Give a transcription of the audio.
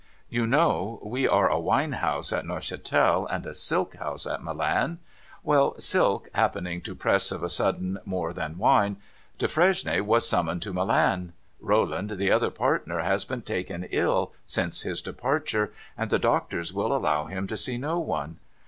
You know, we are a Wine House at Neuchatel, and a Silk House at Milan ? Well, Silk happening to press of a sudden, more than Wine, Defresnier was summoned to Milan. Rolland, the other partner, has been taken ill since his departure, and the doctors will allow him to see no one.